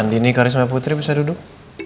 andi nih karisma putri bisa duduk